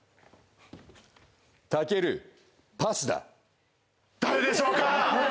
タケルパスだ誰でしょうか？